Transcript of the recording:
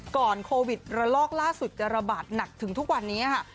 ก่อนโควิดลอกล่าสุดกระบาดหนักถึงทุกวันนี้